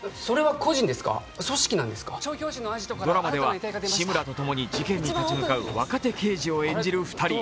ドラマでは志村と共に事件に立ち向かう若手刑事を演じる２人。